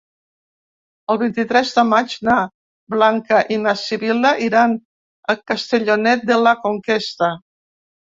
El vint-i-tres de maig na Blanca i na Sibil·la iran a Castellonet de la Conquesta.